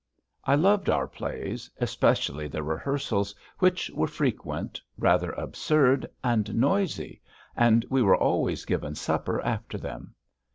I loved our plays, especially the rehearsals, which were frequent, rather absurd, and noisy, and we were always given supper after them.